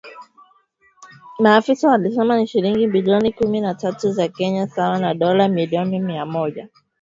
Maafisa walisema ni shilingi bilioni kumi na tatu za Kenya sawa na dola milioni mia moja kumi na mbili.